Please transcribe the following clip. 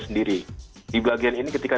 sendiri di bagian ini ketika